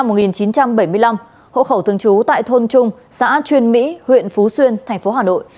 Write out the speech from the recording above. hộ khẩu thương chú văn hòa sinh năm một nghìn chín trăm bảy mươi năm hộ khẩu thương chú tại thôn trung xã truyền mỹ huyện phú xuyên tp hà nội